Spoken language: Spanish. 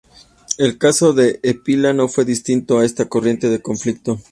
El caso de Épila no fue distinto a esta corriente de conflicto.